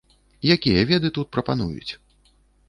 Якія веды тут прапануюць?